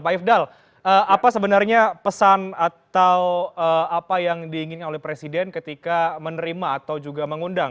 pak ifdal apa sebenarnya pesan atau apa yang diinginkan oleh presiden ketika menerima atau juga mengundang